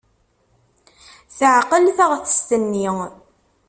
Teɛqel taɣtest-nni.